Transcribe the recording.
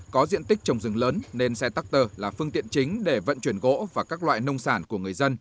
có diện tích trồng rừng lớn nên xe tắc tơ là phương tiện chính để vận chuyển gỗ và các loại nông sản của người dân